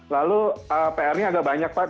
lalu pr nya agak banyak pak